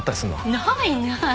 ないない！